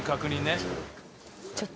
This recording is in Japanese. ちょっと。